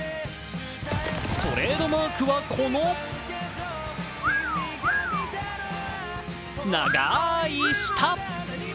トレードマークはこの長い舌。